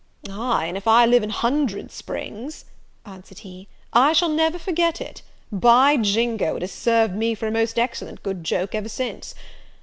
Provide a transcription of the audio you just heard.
"Aye, and if I live an hundred springs," answered he, "I shall never forget it; by Jingo, it has served me for a most excellent good joke ever since.